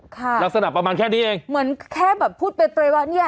ค่ะลักษณะประมาณแค่นี้เองเหมือนแค่แบบพูดไปตรงว่าเนี้ย